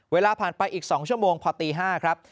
เวลาผ่านไปอีก๒ชั่วโมงพอตี๕ครับ